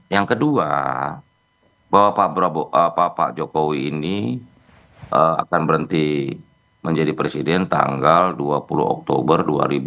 yang kedua bahwa pak jokowi ini akan berhenti menjadi presiden tanggal dua puluh oktober dua ribu dua puluh